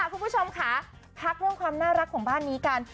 คุณผู้ชมค่ะพักเรื่องความน่ารักของบ้านนี้กัน